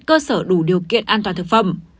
cơ sở đủ điều kiện an toàn thực phẩm